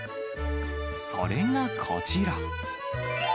それがこちら。